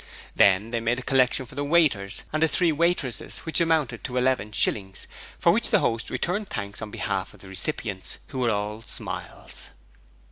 Then they made a collection for the waiters, and the three waitresses, which amounted to eleven shillings, for which the host returned thanks on behalf of the recipients, who were all smiles.